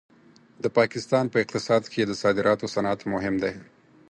د پاکستان په اقتصاد کې د صادراتو صنعت مهم دی.